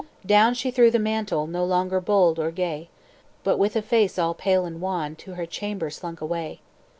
"Down she threw the mantle, No longer bold or gay, But, with a face all pale and wan To her chamber slunk away.